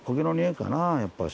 やっぱし。